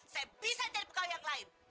saya bisa cari pegawai yang lain